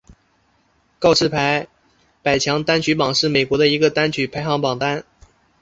告示牌百强单曲榜是美国的一个单曲排行榜单。